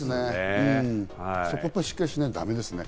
そこしっかりしないとだめですね。